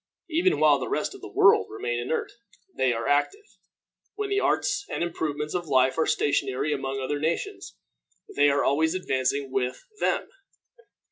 Even while the rest of the world remain inert, they are active. When the arts and improvements of life are stationary among other nations, they are always advancing with them.